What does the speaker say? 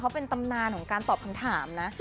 เขาเป็นตำนานของการตอบคำถามนะ